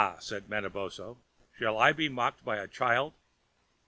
said Manabozho, "shall I be mocked by a child?"